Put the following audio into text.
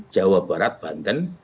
jawa barat banten